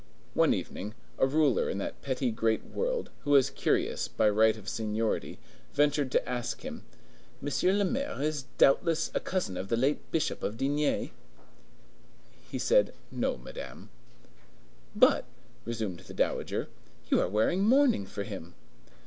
One evening, a ruler in that petty great world, who was curious by right of seniority, ventured to ask him, "M. le Maire is doubtless a cousin of the late Bishop of D——?" He said, "No, Madame." "But," resumed the dowager, "you are wearing mourning for him."